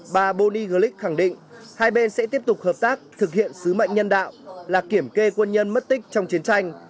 bà boni glick khẳng định hai bên sẽ tiếp tục hợp tác thực hiện sứ mệnh nhân đạo là kiểm kê quân nhân mất tích trong chiến tranh